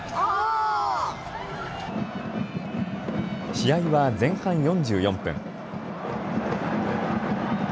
試合は前半４４分。